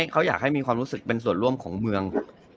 เขาอยากให้มีความรู้สึกเป็นส่วนร่วมของเมือง